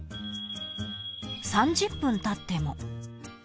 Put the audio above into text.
［３０分たっても］